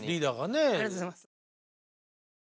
ありがとうございます。